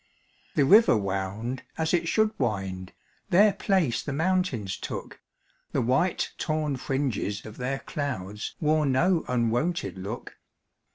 The river wound as it should wind; Their place the mountains took; The white torn fringes of their clouds Wore no unwonted look.